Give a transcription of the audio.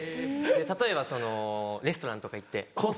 例えばレストランとか行ってコース